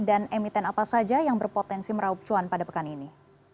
dan emiten apa saja yang berpotensi meraup cuan pada pekan ini